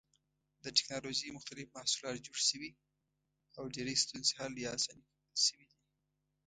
د ټېکنالوجۍ مختلف محصولات جوړ شوي او ډېرې ستونزې حل یا اسانې شوې دي.